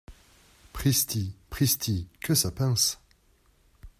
Pristi ! pristi !… que ça pince !